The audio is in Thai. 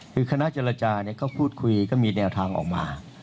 คือคณะเจรจาก็พูดคุยก็มีแนวทางออกมา